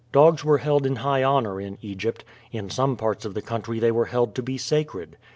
Dogs were held in high honor in Egypt. In some parts of the country they were held to be sacred.